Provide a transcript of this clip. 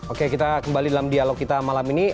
oke kita kembali dalam dialog kita malam ini